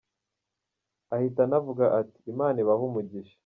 Ahita anavuga ati "Imana ibahe umugisha".